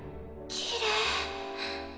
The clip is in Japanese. きれい。